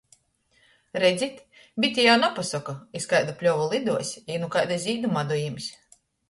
Redzit, bite jau napasoka, iz kaidu pļovu liduos i nu kaidu zīdu madu jims.